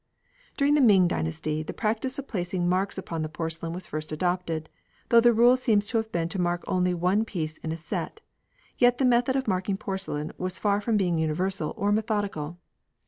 During the Ming dynasty the practice of placing marks upon the porcelain was first adopted, though the rule seems to have been to mark only one piece in a set, yet the method of marking porcelain was far from being universal or methodical.